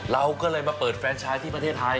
เราก็เลยมาเปิดแฟนชายที่ประเทศไทย